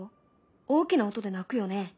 大きな音で鳴くよね。